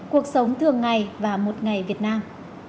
cuộc sống thường ngày và một ngày việt nam